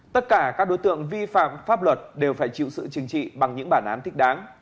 tất cả các đối tượng vi phạm pháp luật đều phải chịu sự chừng trị bằng những bản án thích đáng